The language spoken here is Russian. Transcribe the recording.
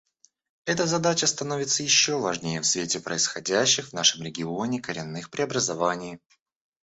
Эта задача становится еще важнее в свете происходящих в нашем регионе коренных преобразований.